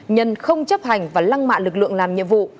nhân không chấp hành và lăng mạ lực lượng làm nhiệm vụ